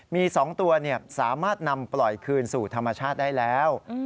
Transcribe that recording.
มี๒ตัวสามารถนำปล่อยคืนสู่ธรรมชาติได้แล้ว